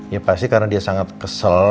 ya pasti karena dia sangat kesel